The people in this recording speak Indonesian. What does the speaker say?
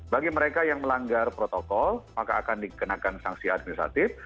bagi mereka yang melanggar protokol maka akan dikenakan sanksi administratif